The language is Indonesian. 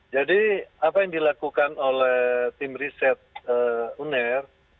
jadi apa yang dilakukan oleh tim riset uner